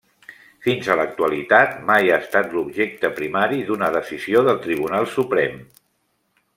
Fins a l'actualitat, mai ha estat l'objecte primari d'una decisió del Tribunal Suprem.